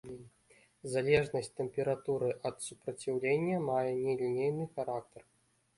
Залежнасць тэмпературы ад супраціўлення мае нелінейны характар.